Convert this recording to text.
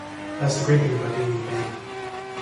That's the great thing about being in a band.